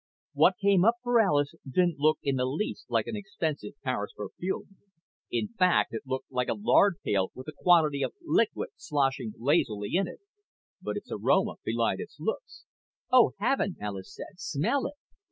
What came up for Alis didn't look in the least like an expensive Paris perfume. In fact, it looked like a lard pail with a quantity of liquid sloshing lazily in it. But its aroma belied its looks. "Oh, heaven!" Alis said. "Smell it!"